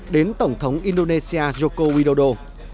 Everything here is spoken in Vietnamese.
đến tổng thống indonesia joko widodo